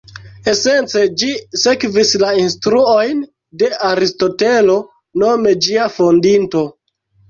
Esence, ĝi sekvis la instruojn de Aristotelo, nome ĝia fondinto.